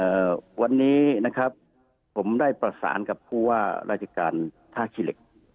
เอ่อวันนี้นะครับผมได้ประสานกับผู้ว่าราชการท่าขี้เหล็ก